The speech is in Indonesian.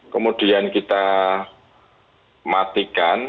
kemudian kita matikan